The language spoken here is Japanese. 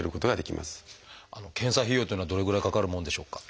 検査費用っていうのはどれぐらいかかるもんでしょうか？